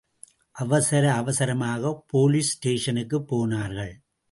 அவசர அவசரமாக போலீஸ் ஸ்டேஷனுக்குப் போனார்கள்.